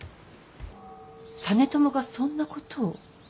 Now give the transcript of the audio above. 実朝がそんなことを。